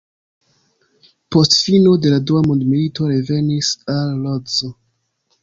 Post fino de la dua mondmilito revenis al Lodzo.